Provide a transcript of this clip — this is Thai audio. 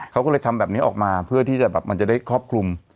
เขาก็เลยทำแบบนี้ออกมาเพื่อที่จะแบบมันจะได้ครอบคลุม